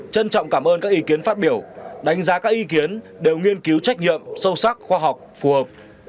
trân trọng cảm ơn các ý kiến phát biểu đánh giá các ý kiến đều nghiên cứu trách nhiệm sâu sắc khoa học phù hợp